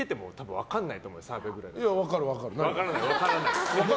分からない。